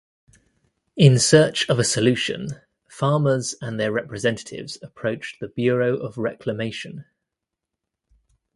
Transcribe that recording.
In search of a solution, farmers and their representatives approached the Bureau of Reclamation.